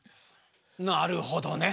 なるほどね。